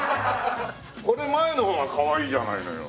これ前の方がかわいいじゃないのよ